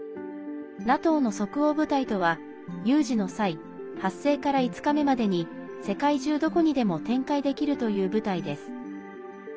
ＮＡＴＯの即応部隊とは有事の際、発生から５日目までに世界中どこにでも展開できるという部隊です。